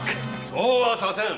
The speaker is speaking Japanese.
そうはさせん。